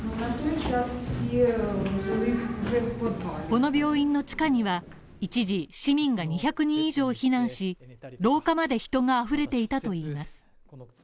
この病院の地下には一時市民が２００人以上避難し廊下まで人があふれていたといいます。